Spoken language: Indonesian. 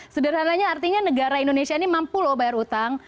sederhananya artinya negara indonesia ini mampu loh bayar utang